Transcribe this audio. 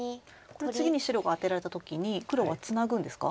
これ次に白がアテられた時に黒はツナぐんですか？